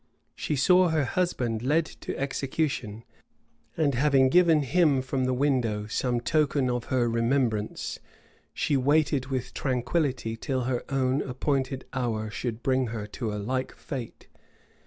She saw her husband led to execution; and having given him from the window some token of her remembrance, she waited with tranquillity till her own appointed hour should bring her to a like fate.